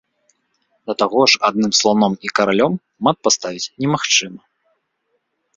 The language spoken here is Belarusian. Да таго ж адным сланом і каралём мат паставіць немагчыма.